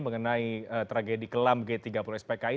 mengenai tragedi kelam g tiga puluh spki